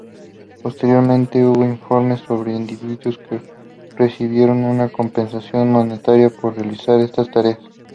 Posteriormente, hubo informes sobre individuos que recibieron una compensación monetaria por realizar estas tareas.